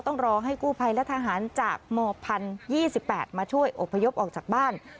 ต้องรอให้กู้ภัยและทหารจากมพันธ์๒๘มาช่วยอบพยพออกจากบ้าน